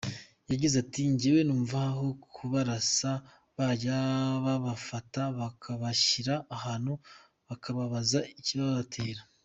Yagize ati: “ Njyewe numva aho kubarasa bajya babafata bakabashyira ahantu bakababaza ikibibatera.